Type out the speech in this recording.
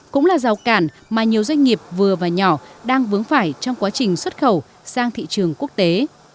cũng là rào cản mà nhiều doanh nghiệp vừa và nhỏ đang vướng phải trong quá trình xuất khẩu sang thị trường quốc tế